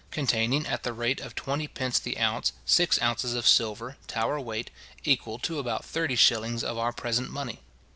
}, containing, at the rate of twenty pence the ounce, six ounces of silver, Tower weight, equal to about thirty shillings of our present money.